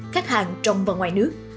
khách hàng trong và ngoài nước